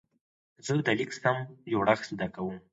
زه د لیک سم جوړښت زده کوم.